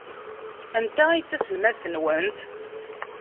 Anta ay d taselmadt-nwent?